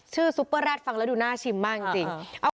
ชื่อซุปเปอร์แรดฟังแล้วดูน่าชิมมากจริงจริงเอา